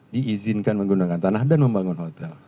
diizinkan menggunakan tanah dan membangun hotel